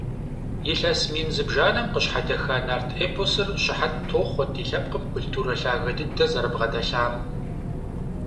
Илъэс мин зыбжанэм къыщхьэдэха нарт эпосыр щыхьэт тохъуэ ди лъэпкъхэм культурэ лъагэ дыдэ зэрабгъэдэлъам.